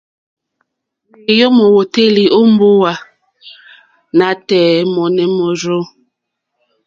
Ŋwéyò mówǒtélì ó mbówà nǎtɛ̀ɛ̀ mɔ́nɛ̌ mórzô.